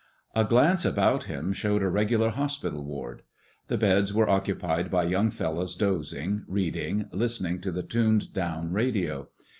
A glance about him showed a regular hospital ward. The beds were occupied by young fellows dozing, reading, listening to the tuned down radio.